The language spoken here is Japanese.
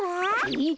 えっ？